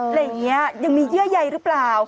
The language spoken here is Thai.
อะไรอย่างนี้ยังมีเยื่อใยหรือเปล่า